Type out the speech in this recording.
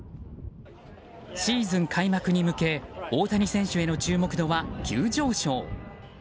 シーズン開幕に向け大谷選手への注目度は急上昇。